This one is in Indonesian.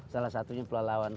salah satunya pulau lawan